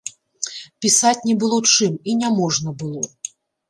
Пісаць не было чым, і няможна было.